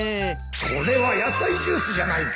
これは野菜ジュースじゃないか